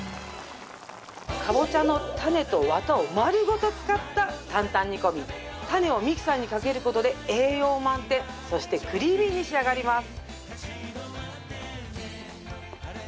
カボチャのタネとワタを丸ごと使った担々煮込みタネをミキサーにかけることで栄養満点そしてクリーミーに仕上がります